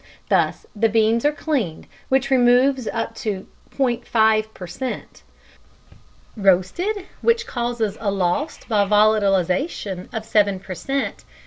Thus the beans are cleaned, which removes up to 0.5 per cent.; roasted, which causes a loss by volatilisation of 7 per cent.